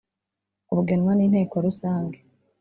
bugenwa n Inteko rusange